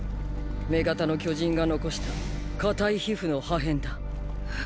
女型の巨人が残した硬い皮膚の破片だ。